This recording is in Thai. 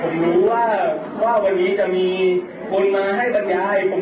ก็คือเรื่องของครูเป็นคนรุ่นที่กำลังโตมาแทนรุ่นเราอย่างไรสักครู่ค่ะ